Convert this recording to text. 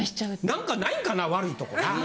何かないんかな悪いとこな。